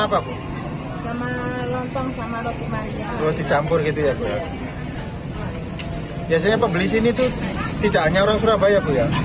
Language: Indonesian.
apa sama lontong sama roti roti campur gitu ya bu biasanya pebeli sini tuh tidak hanya orang surabaya